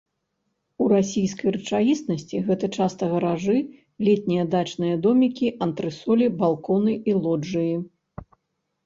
У расійскай рэчаіснасці гэта часта гаражы, летнія дачныя домікі, антрэсолі, балконы і лоджыі.